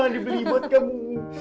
dibeli buat kamu